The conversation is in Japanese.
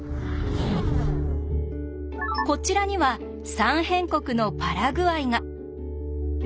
こちらには「三辺国」のパラグアイが。